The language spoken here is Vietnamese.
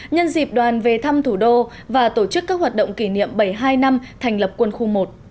nhân dịp đoàn về thăm thủ đô và tổ chức các hoạt động kỷ niệm bảy mươi hai năm thành lập quân khu một